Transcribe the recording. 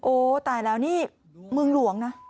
โอ๊ยตายแล้วนี่ลุงลงนะ